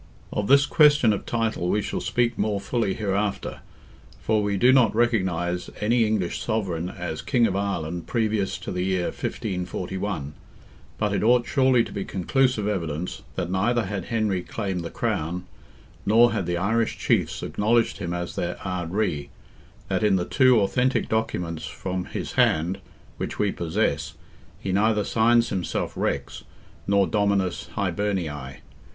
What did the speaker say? Of this question of title we shall speak more fully hereafter, for we do not recognize any English sovereign as King of Ireland, previous to the year 1541; but it ought surely to be conclusive evidence, that neither had Henry claimed the crown, nor had the Irish chiefs acknowledged him as their Ard Righ, that in the two authentic documents from his hand which we possess, he neither signs himself Rex nor Dominus Hibernioe.